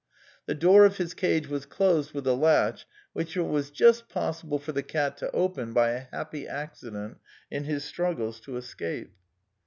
The door of his cage was closed with a latch which it was just possible for the cat to open by a happy accident in his struggles to escape.